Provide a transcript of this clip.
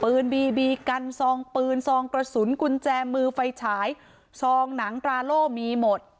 บีบีกันซองปืนซองกระสุนกุญแจมือไฟฉายซองหนังตราโล่มีหมด